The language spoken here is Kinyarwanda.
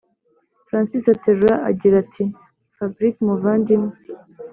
francis aterura agira ati”fabric muvandimwe